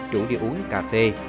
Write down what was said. rủ đi uống cà phê